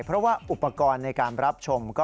เพราะว่าอุปกรณ์ในการรับชม